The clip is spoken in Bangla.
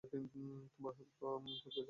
তোমার হাত পা আমার ছিঁড়ে ফেলা উচিত।